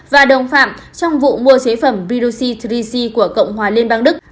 và đồng phạm trong vụ mua chế phẩm bidocitrici của cộng hòa liên bang đức